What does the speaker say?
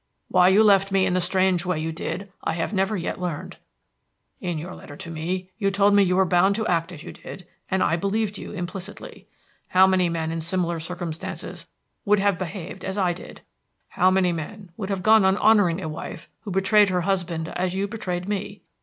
Why you left me in the strange way you did, I have never yet learned. In your letter to me you told me you were bound to act as you did, and I believed you implicitly. How many men in similar circumstances would have behaved as I did? How many men would have gone on honoring a wife who betrayed her husband as you betrayed me?